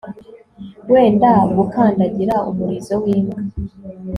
Wenda gukandagira umurizo wimbwa